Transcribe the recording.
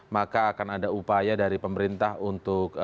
maka akan ada upaya dari pemerintah untuk